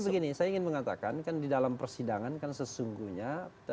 begini saya ingin mengatakan kan di dalam persidangan kan sesungguhnya